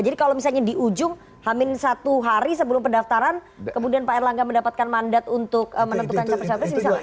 jadi kalau misalnya di ujung hamil satu hari sebelum pendaftaran kemudian pak erlangga mendapatkan mandat untuk menentukan capres cawapres